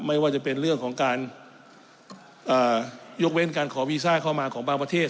ไม่ว่าจะเป็นเรื่องของการยกเว้นการขอวีซ่าเข้ามาของบางประเทศ